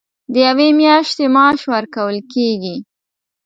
د یوې میاشتې معاش ورکول کېږي.